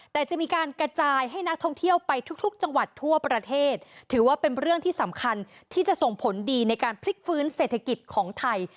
ทุกจังหวัดทั่วประเทศถือว่าเป็นเรื่องที่สำคัญที่จะส่งผลดีในการพลิกฟื้นเศรษฐกิจของไทย